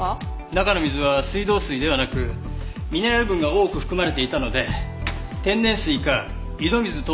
中の水は水道水ではなくミネラル分が多く含まれていたので天然水か井戸水等の地下水かと。